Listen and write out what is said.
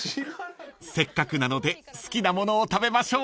［せっかくなので好きなものを食べましょう］